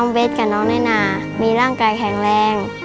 น้องเกิดมาพิการเป็นโรคปากแบ่งประดาษหนูค่ะรุนแรงค่ะ